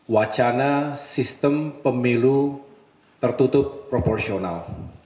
wacana sistem pemilu tertutup proporsional